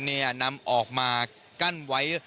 เนี่ยนำออกมากั้นไว้